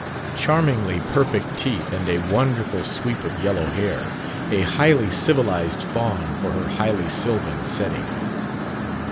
Charmingly perfect teeth and a wonderful sweep of yellow hair. A highly civilized faun for her highly sylvan setting.